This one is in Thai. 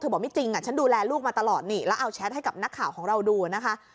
บอกไม่จริงฉันดูแลลูกมาตลอดนี่แล้วเอาแชทให้กับนักข่าวของเราดูนะคะ